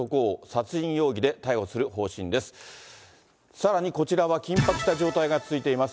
さらにこちらは、緊迫した状態が続いています。